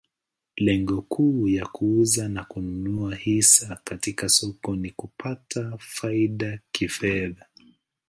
Lengo kuu ya kuuza na kununua hisa katika soko ni kupata faida kifedha.